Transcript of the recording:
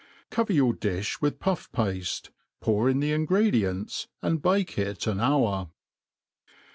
Cover your d^(h With pufF paAc, pour in the ingredients, aad bake it an hour.